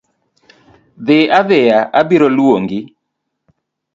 Dhi adhia abiro luongi.